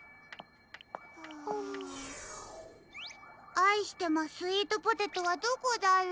「あいしてまスイートポテト」はどこだろう？